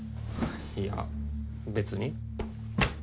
いや別に。